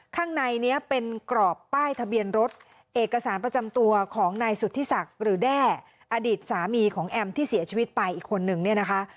ข้างในนี้เป็นกรอบป้ายทะเบียนรถเอกสารประจำตัวของนายสุธิศักดิ์หรือแด้อดีตสามีของแอมที่เสียชีวิตไปอีกคนนึงเนี่ยนะคะ